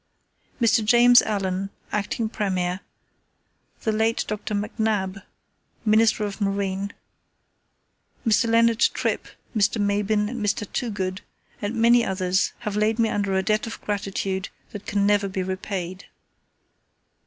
Mr. James Allen (acting Premier), the late Mr. McNab (Minister of Marine), Mr. Leonard Tripp, Mr. Mabin, and Mr. Toogood, and many others have laid me under a debt of gratitude that can never be repaid.